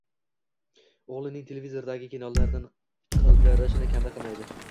Oʻgʻlini televizordagi kinolardan qidirishni kanda qilmaydi